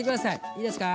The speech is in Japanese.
いいですか。